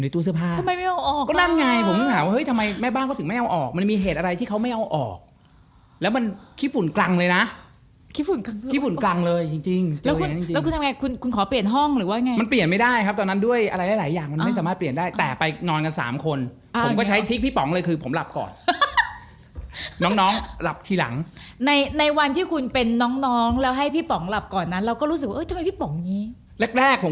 ตอนเด็กกลัวยังไงตอนนี้ก็ประมาณนั้น